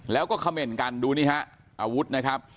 แล้วก็เขม่นกันดูนี่ฮะอาวุธนะครับ